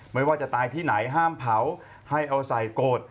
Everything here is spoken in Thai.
ไม่ว่าจะตายที่ไหนห้ามเผาให้เอาใส่โกรธ